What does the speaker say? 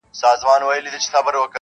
• دا پاته عمر ملنګي کوومه ښه کوومه..